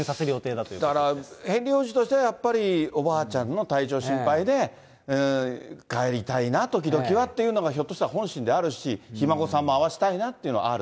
だから、ヘンリー王子としてはやっぱりおばあちゃんの体調心配で、帰りたいな、時々はっていうのが、ひょっとしたら本心であるし、ひ孫さんも会わしたいなというのがある。